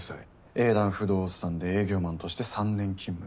エイダン不動産で営業マンとして３年勤務。